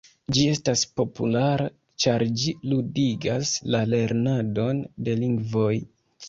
Ĝi estas populara ĉar ĝi “ludigas” la lernadon de lingvoj.